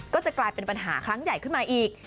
ก็จะกลายเป็นปัญหาครั้งใหญ่ขึ้นมาอีก